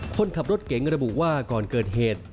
คนขับรถเก๋งระบุว่าก่อนเกิดเหตุ